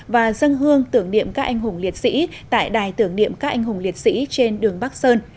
và dân hương tưởng niệm các anh hùng liệt sĩ tại đài tưởng niệm các anh hùng liệt sĩ trên đường bắc sơn